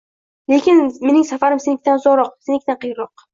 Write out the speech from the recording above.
— Lekin mening safarim senikidan uzoqroq... senikidan qiyinroq...